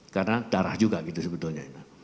karena darah juga gitu sebetulnya